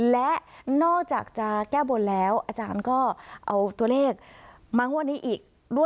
และนอกจากจะแก้บนแล้วอาจารย์ก็เอาตัวเลขมางวดนี้อีกด้วย